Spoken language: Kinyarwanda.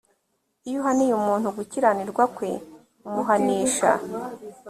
iyo uhaniye umuntu gukiranirwa kwe umuhanisha